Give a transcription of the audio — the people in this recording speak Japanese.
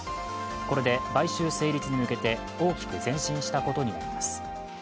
これで買収成立に向けて大きく前進したことになります。